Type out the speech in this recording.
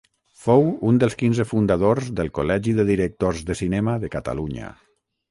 Fou un dels quinze fundadors del Col·legi de Directors de Cinema de Catalunya.